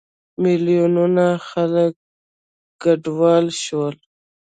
میلیونونه خلک کډوال شول.